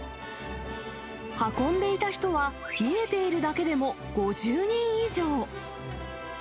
運んでいた人は、見えているだけでも５０人以上。